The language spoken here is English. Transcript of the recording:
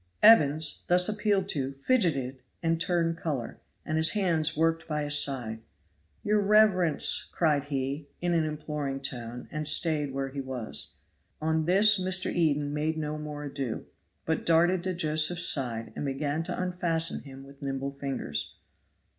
Evans, thus appealed to, fidgeted and turned color, and his hands worked by his side. "Your reverence!" cried he, in an imploring tone, and stayed where he was. On this Mr. Eden made no more ado, but darted to Josephs' side and began to unfasten him with nimble fingers.